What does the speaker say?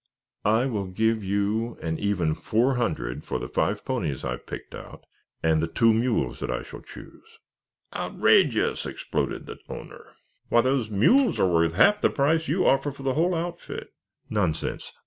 I will give you an even four hundred for the five ponies I have picked out and the two mules that I shall choose." "Outrageous!" exploded the owner. "Why, those mules are worth half of the price you offer for the whole outfit." "Nonsense!